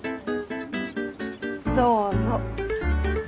どうぞ。